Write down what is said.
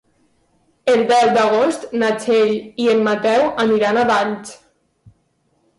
El deu d'agost na Txell i en Mateu aniran a Valls.